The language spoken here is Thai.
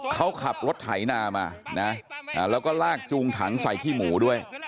เขาขับรถไถนามานะแล้วก็ลากจูงถังใส่ขี้หมูด้วย